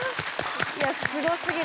いやすごすぎる！